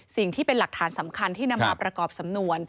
สิ่งที่เป็นหลักฐานสำคัญที่นำมาประกอบสำนวน